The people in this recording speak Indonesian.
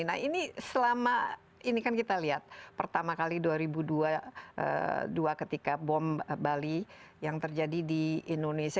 nah ini selama ini kan kita lihat pertama kali dua ribu dua ketika bom bali yang terjadi di indonesia